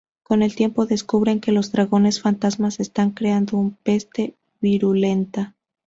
Con el tiempo, descubren que los Dragones Fantasma están creando una peste virulenta.